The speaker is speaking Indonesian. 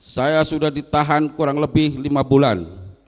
saya sudah ditahan kurang lebih lima bulan